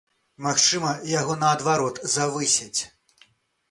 Магчыма, яго наадварот завысяць!